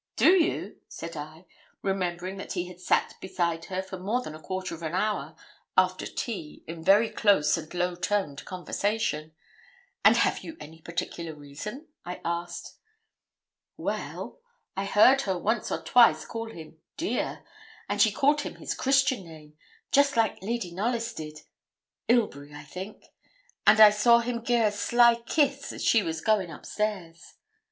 'Do you?' said I, remembering that he had sat beside her for more than a quarter of an hour after tea in very close and low toned conversation; 'and have you any particular reason?' I asked. 'Well, I heard her once or twice call him "dear," and she called him his Christian name, just like Lady Knollys did Ilbury, I think and I saw him gi' her a sly kiss as she was going up stairs.'